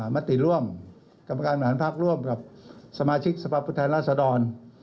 มัตติร่วมกรรมการมหาลพักษณ์ร่วมกับสมาชิกสภาพปุทธแทนราชดร